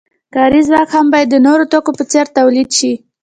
کاري ځواک هم باید د نورو توکو په څیر تولید شي.